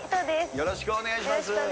よろしくお願いします。